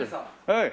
はい。